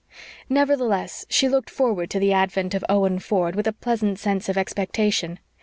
Nevertheless, she looked forward to the advent of Owen Ford with a pleasant sense of expectation.